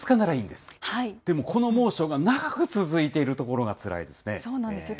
でも、この猛暑が長く続いているところがつらいですね。